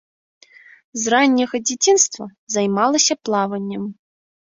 З ранняга дзяцінства займалася плаваннем.